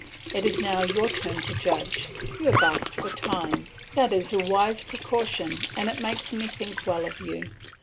It is now your turn to judge; you have asked for time; that is a wise precaution and it makes me think well of you.